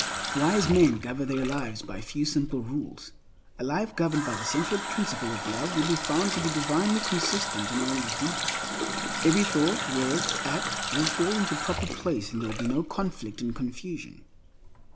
Wise men govern their lives by a few simple rules. A life governed by the central principle of love will be found to be divinely consistent in all its details. Every thought, word, act, will fall into proper place, and there will be no conflict and confusion.